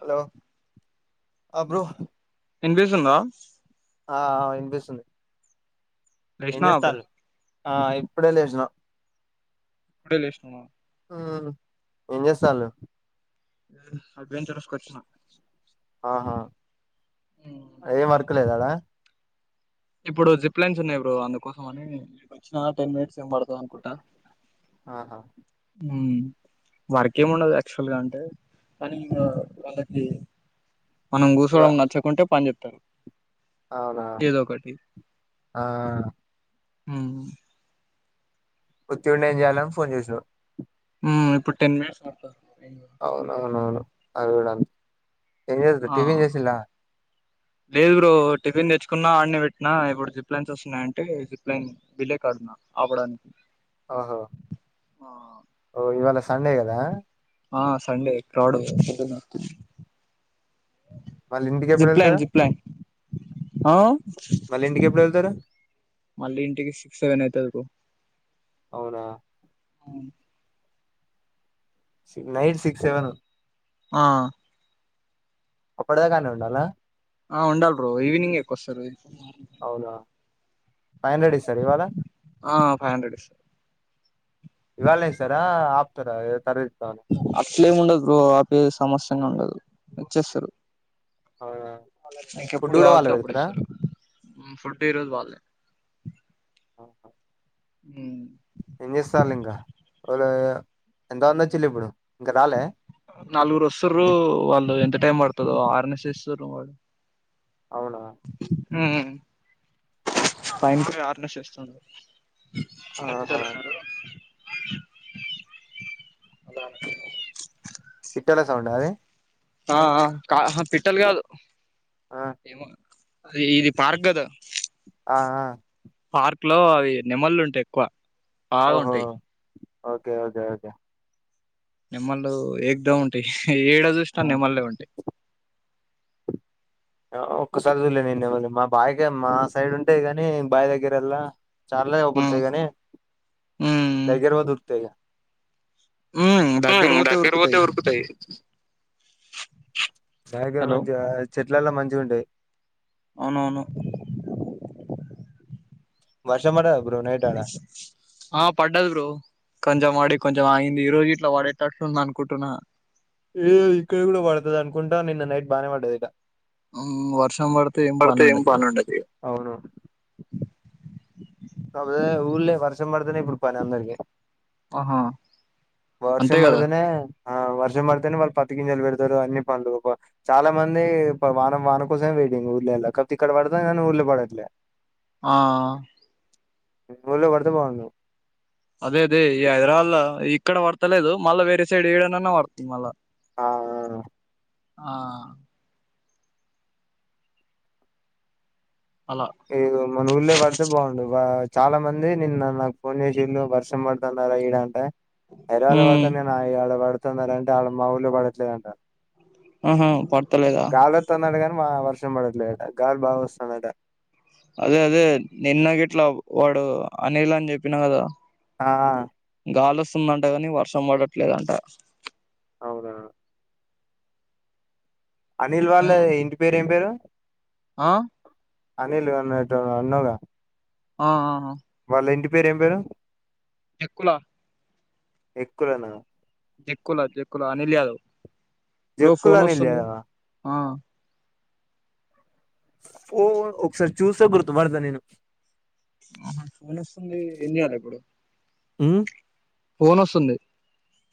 Hello అ bro వినిపిస్తుందా ఆ వినిపిస్తుంది ఏం లేషినావా బ్రో చేస్తాలు ఆ ఇప్పుడ లేషినా ఇప్పుడే లేషినమామ మ్ ఏం చేస్తాన్నవ్ ఎడ్వెంచరస్కొచ్చిన ఆ హా ఏం వర్కు లేదాడా ఇప్పుడు జిప్ లైన్స్ ఉన్నాయి బ్రో అందుకోసం అని వచ్చినా టెన్ మినిట్స్ బడతవ అన్కుటా ఆహా మ్.. వర్కేమి ఉండదు యాక్చువల్ గా అంటే కానీ ఇంకా వాళ్ళకి మనం ఇగ కూచోవడం నచ్చకుంటే పని చెప్తారు అవునా ఏదో ఒకటి ఆ మ్ ఉత్తిగ ఉండేం చేయాలని ఫోన్ చేసావ్ మ్ ఇప్పుడు టెన్ మినిట్స్ పడతది అవున అవునవును అవి కూడా ఏం చేస్తుద్ ఆ టీఫిన్ చేసిలా లేదు బ్రో టిఫన్ తెచ్చుకున్నా ఆడనే పెటి నా ఇప్పుడు జిప్లైన్స్ వస్తున్నాయింటే జిప్ లైన్ డిలే కాదున్నా ఆపడానికి ఆహా ఆ ఓ ఇవాళ సండే కదా ఆ సండే క్రౌడ్ [unintelligible] మళ్ళి ఇంటికెప్పుడు జిప్ లైన్ వెళ్తారు జిప్ లైన్ ఆ మళ్ళి ఇంటికి ఎప్పుడు వెళ్తారు మళ్ళీ ఇంటికి సిక్స్ సెవెన్ అయితాది బ్రో అవునా మ్ నైట్ సిక్స్ సెవెన్ ఆ అప్పుడ దాకా ఆడనే ఉండాల ఆ ఉండాలి బ్రో ఈవినింగె ఎక్కువస్తారు అవునా ఫైవ్ హండ్రెడ్ ఇస్తారు ఇవాళ ఆ ఫైవ్ హండ్రెడ్స్ ఇర తర ఇస్తను [unintelligible] ఇట్లేమి ఉండదు ఆ పే సమస్యంగా ఉండదు ఇచ్చేస్తారు అవునా ఫుడ్ నీకెప్పుడు కూడా వాళ్ళే కావలిస్తె అప్పుడు పెడతారా ఇస్తారు ఫుడు ఈ రోజు వాలే ఆహ ఉ వాళ్ళ ఎంత మంది వచ్చిళ్ళు ఇప్పుడు ఇంక రాలే నాలుగురు వస్తుర్రు వాళ్ళు ఎంత టైమ్ పడుతదో ఆరునేస్తూర్రు వాళ్ళు అవునా హ్ పైన కూడా ఆరునేస్ చేస్తుర్రు. చిన్న ఆహా పిల్లలు ఉన్నారు అద పిట్టల సౌండ అది ఆ ఆ ఆహా పిట్టలు కాదు ఆ ఏమో అది ఇది పార్క్ కదా ఆ ఆ పార్క్ లో అవి నెమళ్ళు ఉంటాయి. ఎక్కువ బాగా ఓహో ఉంటాయి. ఓకే ఓకే ఓకే నేమన్లు ఎక్దో ఉంటాయి. ఏడ చూసినా నేమాన్లె ఉంటాయి. ఒక్కసారి చూడలే ఇగ నేను నెమలి నీ మా బావి మా సైడ్ ఉంటయి. గానీ బావి దగ్గర ఆళ్లా చాలలే ఉమ్ అగూపడతాయిగానీ ఉమ్ దగ్గర వొతే ఉరుకుతాయి. ఇగ హ్ దగ్గర పోతే ఉరుకుతాయి. బాయి కడ హలో మంచిగా చెట్లల్ల మంచిగా ఉంటాయి. అవునవును వర్ష పడ్డాద ఆ పడ్డది బ్రో కొంచెం పడి కొంచెం ఆగింది. ఈ రోజు ఇట్లా వాడేటట్లూ ఉంది. అనుకుంటున్నా ఏ ఇక్కడ కూడా పడుతది. అనుకుంటా నిన్న నైట్ బాగానే పడ్డది ఇడా హ్ వర్షం పడుతే ఏం పనుండది. ఇగ పని ఉండదు అవును ఉల్లె వర్షం పడుతనే పనీ అందరికి ఆహా అంతే వర్షం కదా పడుతనే ఆ వర్షం పడితేనే వాళ్ళు పతికింజలు పెడతారు. అన్ని పనులు చాలా మంది వానం వాన కోసం వే టింగ్ ఉళ్లే అక్కడ ఇక్కడ పడుతంది. కానీ ఉళ్లే పడట్లే ఆ ఉల్లే పడితే బాగుండును. అదే అదే ఈ హైదరాబాద్ ల ఇక్కడ పడతలేదు. మళ్ళా వేరే సైడ్ ఏడనన్నా పడుతుంది. మళ్ళా ఆ ఆ అలా ఇదిగో మన ఊళ్ళే పడితే బాగుండు. చాలా మంది నిన్న నాకు ఫోన్ చేసిళ్ళు వర్షం పడుతందర ఈడ అంటె హైదరాబాద్ ల ఉమ్ పడుతంది గాని ఆ ఇగ ఆడ పడుతుంది ఆర అంటే ఆడ మా ఊళ్ళ పడట్లేదంట ఆహ పడ్ గాలి ఒత్తందట గాని మా వర్షం పడట్లేదట గడుపు బాగా వస్తందట అదే అదే నిన్న గిట్లా వాడు అనీలు అని చెప్పినా కదా ఆ గాలి వస్తుందంట కానీ వర్షం పడట్లేదంట అవునా అనిల్ వాళ్ళ ఇంటి పేరు ఏం పేరు ఆ అనిల్ అన్నోటోనీ అన్నావుగా ఆ ఆ వాళ్ళ ఇంటి పేరు ఏం పేరు టెక్కూల ఎక్కులన జక్కులా జక్కులా అనిల్ యాదవ్ బ్రో ఫోన్ జక్కులోనే వస్తుంది. లేవా ఆ ఓ ఒకసారి చూస్తే, గుర్తుపడతా నేను. ఆహా ఫోన్ వస్తుంది. ఏం చేయాల ఇప్పుడు? మ్ ఫోన్ వస్తుంది.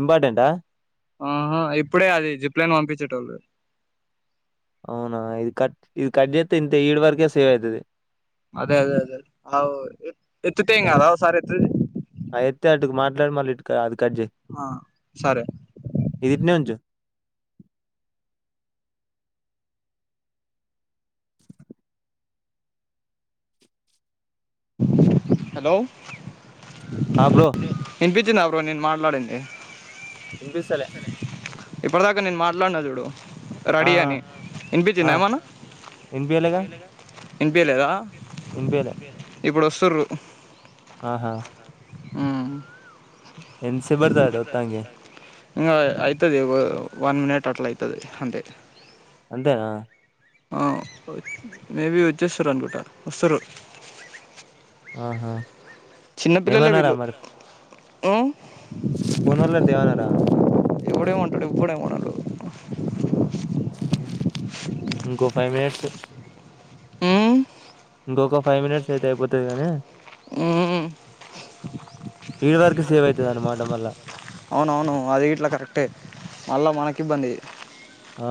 ఇంపార్టెంటా? ఆహా ఇప్పుడే అది జిప్లేన్ పంపించేటోళ్లు. అవునా ఇది కట్, ఇది కట్జెత్తే ఇంతే. ఈడి వరకే సేవ్ అయితది. అదే అదే అదే. అవ్ ఎ ఎత్తితే ఏం కాద? ఒక సారి ఎత్తి చు అ ఎత్తి అటుది మాట్లాడి, మళ్ళీ ఇటు, అది కట్ చేయి. ఆ సరే ఇదిట్నే ఉంచు. హలో ఆ బ్రో వినిపించిందా బ్రో నేను మాట్లాడింది? వినిపిస్తలె ఇప్పటిదాక నేన్ మాట్లాడిన చూడు. ఆ రెడీ అని ఆ వినిపించిందా ఏమన్నా? వినిపియలేగా వినిపియలేదా? వినిపియలే. ఇప్పుడు వస్తుర్రు. ఆహా మ్ ఎన్సేపు పడతాదడ వత్తానికి? ఇంగ అయితది. వన్ మినిట్ అట్ల అయితది అంతే. అంతేనా! ఆ మేబి వచ్చేసార్ అనుకుంట. వస్తరు. ఆహా చిన్నపిల్లలే వీళ్ళు. ఉ ఒనోళ్లర్ దేమనరా? ఇప్పుడు, ఇప్పుడేం అనరు. ఇంకో ఫైవ్ మినిట్స్ ఉమ్ ఇంకొక ఫైవ్ మినిట్స్ అయితే, అయిపోతది గానీ, మ్ ఈడి వరకే సేవ్ అయితది అన్నమాట మల్ల. అవునవును. అది ఇట్లా కరెక్టే. మళ్ళా మనకిబ్బంది. ఆ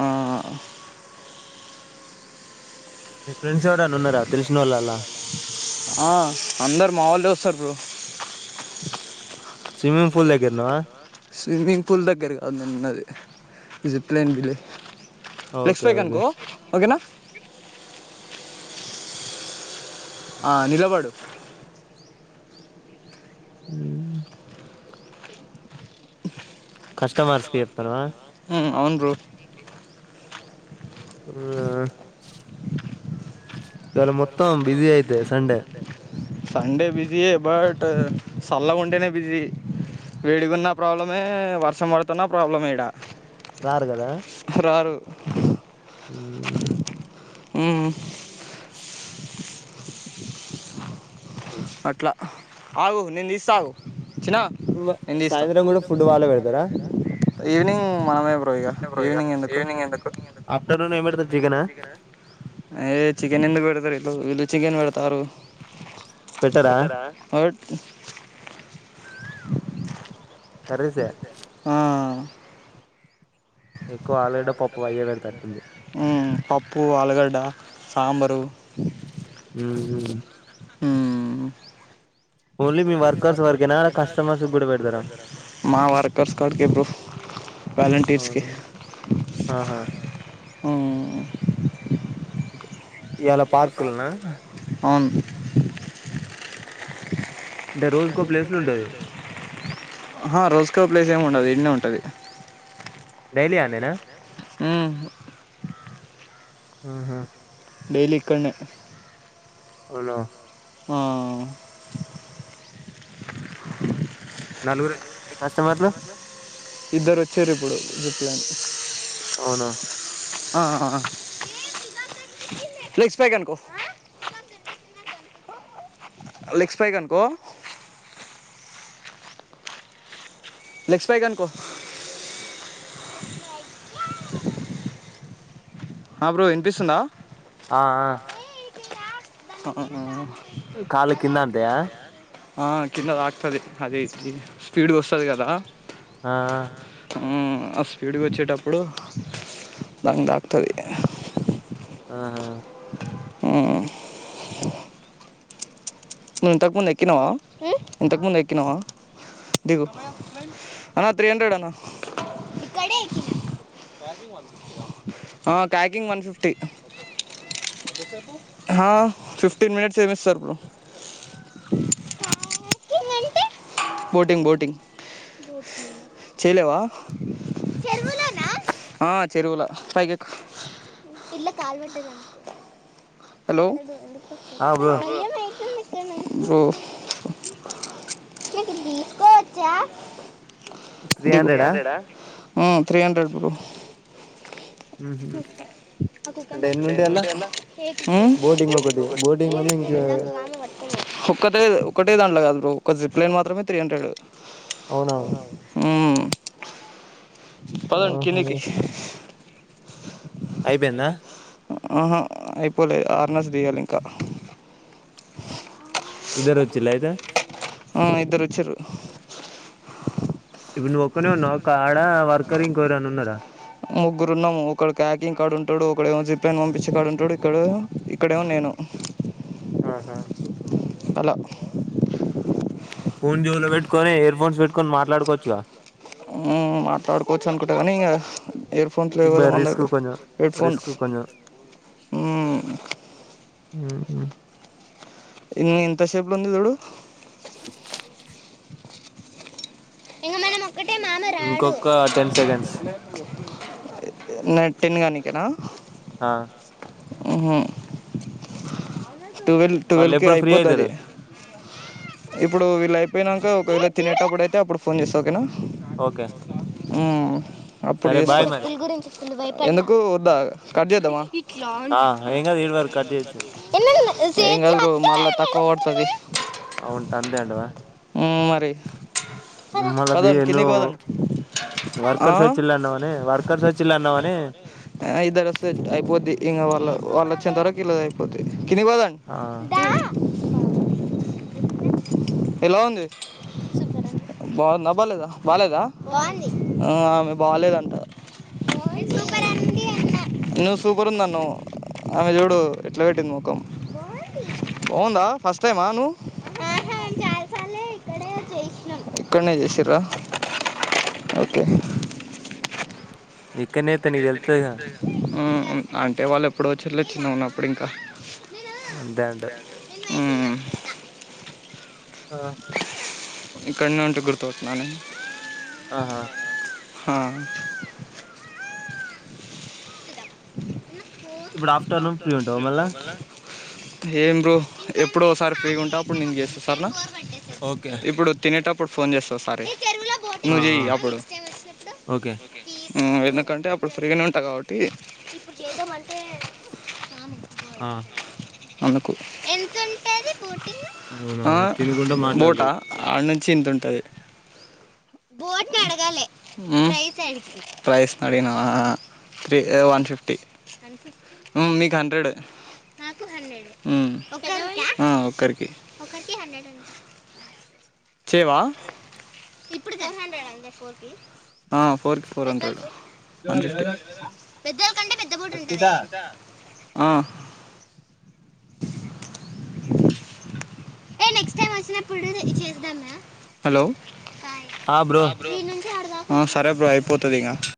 ఆ మీ ఫ్రెండ్స్ ఎవరన్న ఉన్నార? తెలిసినోళ్ అలా ఆ అందరు మా వాళ్లే వస్తారు బ్రో. స్విమ్మింగ్ పూల్ దగ్గర ఉన్నవా? స్విమ్మింగ్ పూల్ దగ్గర కాదు నేనున్నది. జిప్లైన్ బిల్లే డ్రెస్ ఓకే ఓకే పైకనుకో ఓకేనా! ఆ నిలబడు. మ్ కస్టమర్స్కి చెప్తన్నవా? మ్ అవును బ్రో. మ్ ఇవాళ మొత్తం బిజీ అయితే సండే. సండే బిజియే. బట్ సల్లగుంటేనే బిజీ. వేడిగున్న ప్రాబ్లమే. వర్షం పడుతున్నా ప్రాబ్లమే ఈడ. రారు కదా! రారు మ్ ఉమ్ అట్లా ఆగు నేన్ దీస్తాగు చిన్నా వ- నేన్ దీస్తా సాయంత్రం కూడా ఫుడ్ వాళ్ళే ఈవినింగ్ మనమే ఉంట బ్రో ఇగ ఈవినింగ్ ఎందుకు ఆఫ్టర్నూన్ ఏమిబెడతారు జికనా ఏయ్ చికెన్ ఎందుకు బెడ ఇళ్ళు చికెన్ పెడతారు పెట్టరా హాట్ కర్రీసే ఆ ఎక్కువ ఆలుగడ్డ పప్పు అయ్యేపెడతరట్టుంది ఉమ్ పప్పు ఆలుగడ్డ సాంబరు ఉమ్ హూ ఊమ్ ఓన్లీ మీ వర్క్ మా వర్కర్స్ కార్డ్కే బ్రో వాలంటీర్స్కి అవునా ఆహా ఉమ్ ఇయాల పార్కులన్నా అవును అంటే రోజుకో ప్లేస్లు ఉంటది ఆహా రోజుకో ప్లేస్ ఏమి ఉండదు ఇడనే ఉం టది డైలీ ఆడ్నేనా ఉమ్ హుహూ డైలీ ఇక్కడనే అవునా ఆ [inaudible] నలుగురు వచ్చిండ్ర కస్టమర్లు ఇద్దరు వచ్చిరు ఇప్పుడు జప్ప్ లని అవును అ లెగ్స్ పైకి అనుకో లెగ్స్ పైకనుకో లెగ్స్ పైకనుకో ఆ బ్రో వినిపిస్తుందా ఆ ఆ ఆ ద్యా ఆ కిందదాక్తది అదే స్పీడ్ స్పీడ్ గా వస్తది కదా ఆ ఊమ్ ఆ స్పీడ్ గా వచ్చేటప్పుడు దానికి దాకుతది ఆహా ఉమ్ నువ్వు ఇంతకు ముందు ఎక్కినవా ఇంతకు ముందు ఎక్కినవా దిగు అన్నా త్రీ హండ్రెడ్ అన్నా ఇక్కడే ఎక్కిన ఆ ట్యాకింగ్ వన్ ఫిఫ్టీ ఆ ఫిఫ్టీన్ మినిట్స్ సేమ్ ఇస్తారు బ్రో బోటింగ్ బోటింగ్ చేయలేవా ఆ చెరువులా పైకెక్కు హలో ఆ బ్రో [inaudible] త్రీ హండ్రెడా ఉ త్రీ హండ్రెడ్ బ్రో ఉహు ఉ అంటే ఎన్ని ఉంటాయి అలా బోటింగ్ ఒకటి బోటింగ్ ఉన్న ఇంక ఒకటే ఒకటే దాంట్లో కాదు ఒక జిప్లేన్ మాత్రమే త్రీ హండ్రెడు. అవునా పదండి ఆహా కిందకి అయిపోయిందా ఆహా అయిపోలేదు ఆరనాస్ దియాలింకా ఇద్దరు వచ్చిలా అయితే ఆ, ఇద్దరు వచ్చారు ఇప్పుడు నువ్వు ఒక్కనే ఉన్నావు ఒక ఆడ వర్కర్ ఇంకోరన్న ఉన్నారా ముగ్గురున్నాము ఒక క్యా ప్యాకింగ్ కార్డ్ ఉంటాడు ఒకక్కడేమో జిప్ని పంపించే కాడా ఉంటాడు ఇక్కడ ఇక్కడేమో నేను. ఆహా అలా ఫోన్ జోవిలో పెట్టుకొని ఇయర్ ఫోన్స్ పెట్టుకొని మాట్లాడుకోవచ్చుగా. ఉ మాట్లాడుకోవచ్చు అనుకుంటగాని ఇగ ఇయర్ ఫోన్స్ లేవు ఇబ్బ కదా మన రిస్క్ దగ్గర హెడ్ ఫోన్స్ మ్మ్ ఉహు ఎన్ని ఎంత సేపులో ఉంది తూడు [inaudible] [inaudible] ఇంకొక టెన్ సెకండ్స్ నా టెన్ కానికెనా ఆ ఉహు ట్వెల్వ్ మళ్ళీ ట్వెల్వ్కి ఎప్పుడు ఫ్రీ అయిపోద్ అది అయితారు ఇప్పుడు వీళ్ళు అయిపోయినాక ఒకవేళ తినేటప్పుడు అయితే అప్పుడు ఫోన్ చేస్తా ఓకేనా. ఓకే ఉ అప్పుడు సరే చేస్తా బాయ్ మరి ఎందుకు వద్దా కట్ చేద్దామా ఆ ఏం కాదు ఈడి వరకు కట్ చేయొచ్చు ఎమ్ కాదు బ్రో మళ్ళా తక్కువ పడతాది అవుంటా అంతే అంటావా ఉ మరి మళ్ళ బి పదండి కిందకు నువ్వు పదండి ఆ వర్కర్స్ వచ్చిళ్ళు అన్నావని వర్కర్స్ వచ్చిళ్ళు అన్నావని య ఇద్దరోస్తే అయిపోద్ది ఇంకా వాళ్ళ వాళ్ళు వచ్చేంత వరకు ఈలు అయిపోద్ది కిందకి వదండి. ఆ ఎలా ఉంది బాగుందా బాలేదా ఆ ఆమె బాలేదంటా [inaudible] నువ్ సూపర్ ఉందన్నవ్ ఆమె చూడు ఎట్లా పెట్టింది మొఖం. బావుందా ఫస్ట్ టైమా నువ్ ఇక్కనే చేసిర్రా ఓకే ఇక్కడనే అయితే నీకు తెలుత్తదిగా ఉ అంటే వాళ్ళు ఎప్పుడో వచ్చిర్లే చిన్నగున్నప్పుడు ఇంకా అంతే అంట్ ఉ ఆ ఇక్కడిన్నే ఉంటే గుర్తుతున్నా నేను ఆహా హ ఇప్పుడు ఆఫ్టర్నూన్ ఫ్రీ ఉంటావ మళ్ళా ఏం బ్రో ఎప్పుడు ఒకసారి ఫ్రీగా ఉంటా అప్పుడు నేను చేస్త సరేనా ఓకే ఇప్పుడు తినేటప్పుడు ఫోన్ చేస్తా ఓసారి ఆ నువు ఆ చేయి అప్పుడు ఓకే హ్మ్మ్ ఎందుకంటే అప్పుడు ఫ్రీ గానే అ కాబట్టి ఇప్పుడు చేద్దాం అంటే ఆ ఆ అవునవును తినుకుంటూ బోట్ ఆ మాట్లాడుకోవచ్చు ఆడినుంచి చిింత ఉంటది హ్మ్మ్ బోట్ అడగ ప్రైస్ అడిగిన ప్రైస్ అడిగినవ త్రీ వన్ ఫిఫ్టీ హ్మ్మ్ మీకు హండ్రెడ్ నా హండె ఒకరికి ఒకరికి హండ్రెడ్ ఉ చేవ ఆ ఫోర్ కి ఫోర్ ఫో హండ్రెడ్ వన్ ఫిఫ్టీ పెద్దల కంటే పెద్ద బోట్ అక్షిత ఉంటది ఆ ఏ నెక్స్ట్ టైం వచ్చినప్పుడు ఇచ్చేద్దామా హలో ఆ బ్రో ఆ సరే బ్రో అయిపోతది ఇగ